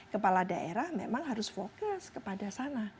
kepala daerah memang harus fokus kepada sana